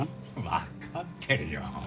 わかってるよ。